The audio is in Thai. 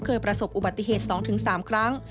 ประสบอุบัติเหตุ๒๓ครั้ง